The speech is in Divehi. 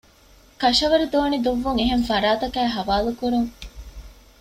ކަށަވަރު ދޯނި ދުއްވުން އެހެން ފަރާތަކާއި ޙަވާލުކުރުން